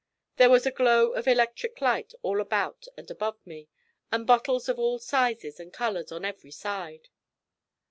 There was a glow of electric light all about and above me, and bottles of all sizes and colours on every side.